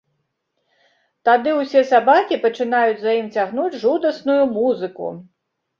Тады ўсе сабакі пачынаюць за ім цягнуць жудасную музыку.